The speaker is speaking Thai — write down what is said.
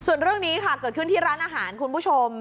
ส่วนเรื่องนี้ค่ะเกิดขึ้นที่ร้านอาหารคุณผู้ชม